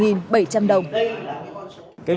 cái việc xác định cái giá này